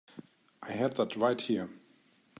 I had that right here.